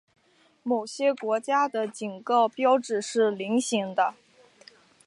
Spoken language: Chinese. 某些国家的警告标志是菱形的。